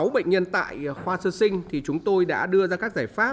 sáu bệnh nhân tại khoa sơ sinh thì chúng tôi đã đưa ra các giải pháp